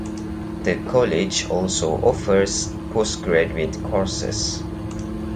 The college also offers postgraduate courses.